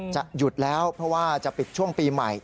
หยุดแล้วเพราะว่าจะปิดช่วงปีใหม่